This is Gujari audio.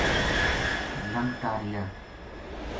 لھنگتا رہیا